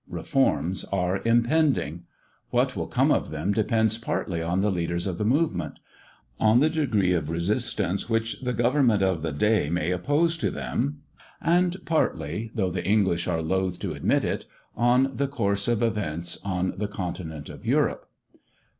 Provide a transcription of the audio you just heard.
Reforms are impending. What will come of them depends partly on the leaders of the movement; on the degree of resistance which the government of the day may oppose to them; and, partly, though the English are loth to admit it, on the course of events on the continent of Europe.